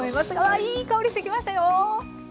わあいい香りしてきましたよ。